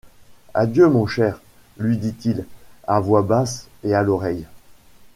Adieu, mon cher, lui dit-il à voix basse et à l’oreille.